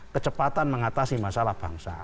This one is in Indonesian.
kecepatan mengatasi masalah bangsa